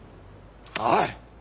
おい！